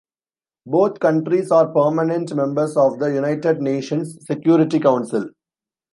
Both countries are permanent members of the United Nations Security Council.